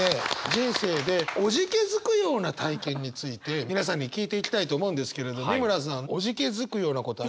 人生でおじけづくような体験について皆さんに聞いていきたいと思うんですけれど美村さんおじけづくようなことあります？